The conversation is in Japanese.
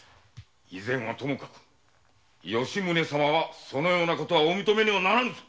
以前はともかく吉宗様はそのような事お認めにならぬ。